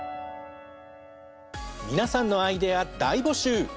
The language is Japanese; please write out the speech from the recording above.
皆さんのアイデア大募集！